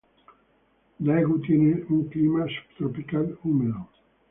Daegu tiene un clima sub-tropical húmedo.